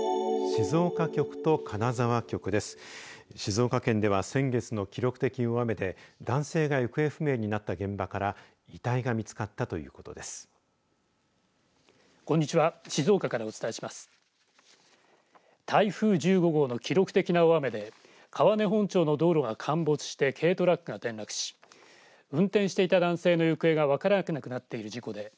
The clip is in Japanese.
静岡県では先月の記録的大雨で男性が行方不明になった現場から遺体が見つかったということです。